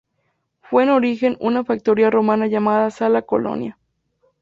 Fue en origen una factoría romana llamada Sala Colonia.